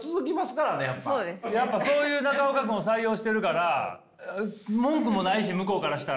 やっぱそういう中岡君を採用してるから文句もないし向こうからしたら。